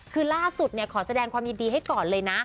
คือล่าสุดขอแสดงความยินดีให้ก่อนเลยนะ